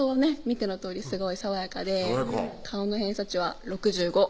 見てのとおりすごい爽やかで顔の偏差値は６５６５！